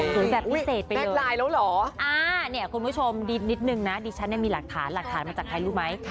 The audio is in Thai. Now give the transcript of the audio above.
สวยแบบพิเศษไปเลยคุณผู้ชมดีนิดนึงนะดิฉันมีหลักฐานหลักฐานมาจากใครรู้ไหม